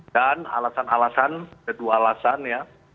dan alasan alasan itu alasan ya